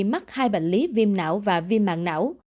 mắc hai bệnh lý viêm não và viêm mạng não